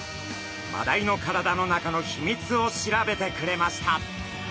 マダイの体の中の秘密を調べてくれました。